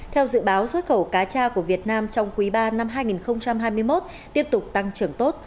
theo dự báo xuất khẩu cá cha của việt nam trong quý ba năm hai nghìn hai mươi một tiếp tục tăng trưởng tốt